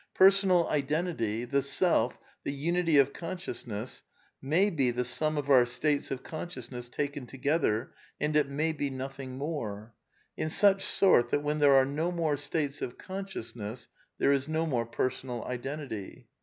Per^ SOME QUESTIONS OF PSYCHOLOGY 73 sonal identity, the self, the unity of consciousness may be the sum of our states of consciousness taken together, and it may be nothing more ; in such sort that when there are no more states of consciousness there is no more personal identity.